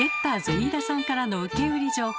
飯田さんからの受け売り情報。